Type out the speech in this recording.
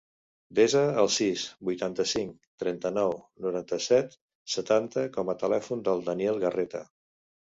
Desa el sis, vuitanta-cinc, trenta-nou, noranta-set, setanta com a telèfon del Daniel Garreta.